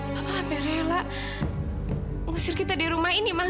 papa sampe rela ngusir kita di rumah ini mah